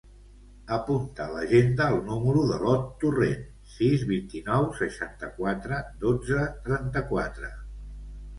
Apunta a l'agenda el número de l'Ot Torrent: sis, vint-i-nou, seixanta-quatre, dotze, trenta-quatre.